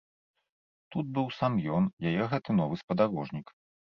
Тут быў сам ён, яе гэты новы спадарожнік.